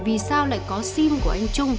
vì sao lại có sim của anh trung